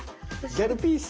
「ギャルピース」。